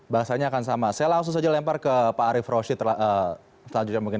bahasanya akan sama saya langsung saja lempar ke pak arief roshi selanjutnya mungkin